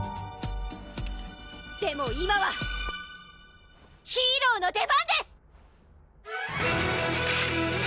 でも今はヒーローの出番です！